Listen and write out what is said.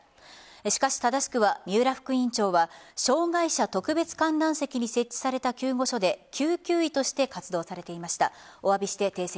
しかし、正しくは三浦副院長は障害者特別観覧席に設置された救護所で救急医として活動されていました。